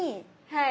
はい。